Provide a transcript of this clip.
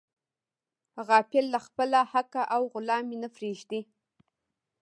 غافل له خپله حقه او غلام مې نه پریږدي.